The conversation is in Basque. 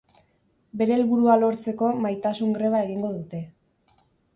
Bere helburua lortzeko maitasun-greba egingo dute.